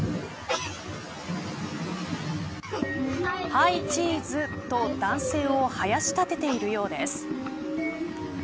はい、チーズと男性をはやし立てているようです。